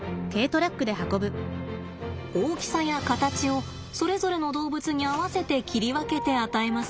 大きさや形をそれぞれの動物に合わせて切り分けて与えます。